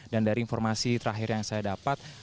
dan dari informasi terakhir yang saya dapat